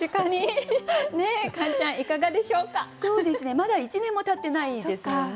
まだ１年もたってないですもんね。